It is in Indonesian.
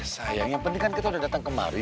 sayang yang penting kan kita udah datang kemari